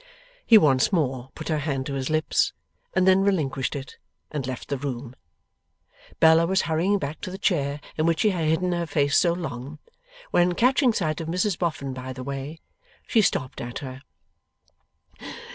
He once more put her hand to his lips, and then relinquished it, and left the room. Bella was hurrying back to the chair in which she had hidden her face so long, when, catching sight of Mrs Boffin by the way, she stopped at her.